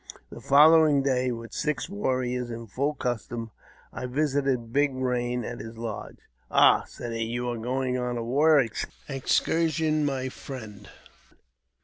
The following day, with six warriors in full costume, I visited Big Eain at his lodge. "Ah! " said he, "you are going on a war excursion, my friend?"